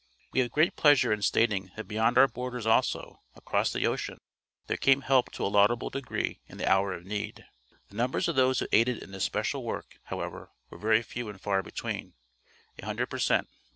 We have great pleasure in stating that beyond our borders also, across the ocean, there came help to a laudable degree in the hour of need. The numbers of those who aided in this special work, however, were very few and far between, a hundred per cent.